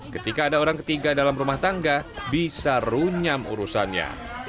ketika ada orang ketiga dalam rumah tangga bisa runyam urusannya